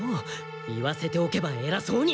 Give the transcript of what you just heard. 言わせておけばえらそうに！